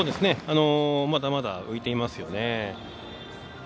まだまだ浮いていますよね。